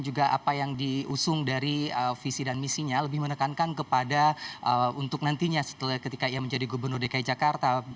juga apa yang diusung dari visi dan misinya lebih menekankan kepada untuk nantinya ketika ia menjadi gubernur dki jakarta